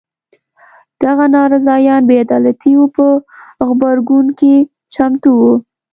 دغه ناراضیان بې عدالیتو په غبرګون کې چمتو وو.